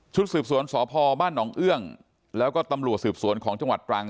สืบสวนสพบ้านหนองเอื้องแล้วก็ตำรวจสืบสวนของจังหวัดตรัง